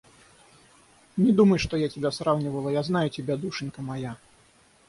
Не думай, чтобы я сравнивала... Я знаю тебя, душенька моя.